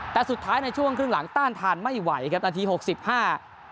แต่สุดท้ายในช่วงครึ่งหลังต้านทานไม่ไหวครับนาทีหกสิบห้า